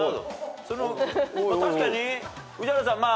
確かに宇治原さん。